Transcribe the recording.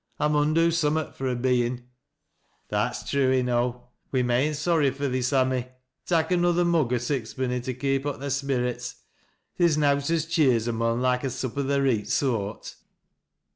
I mun do summat fur a bein'." " That's true enow. We're main sorry fur thee, Sammy Tak' another mug o' sixpenny to keep up tliy sperrets. Theer's nowt as cheers a mon loike a sup o' th' reet soart."